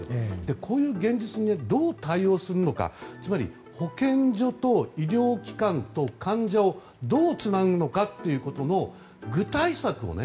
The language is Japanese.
こういう現実にどう対応するのかつまり保健所と医療機関と患者をどうつなぐのかということの具体策をね